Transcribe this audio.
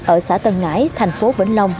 ở xã tân ngãi thành phố vĩnh long